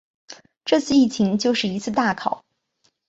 这次疫情就是一次大考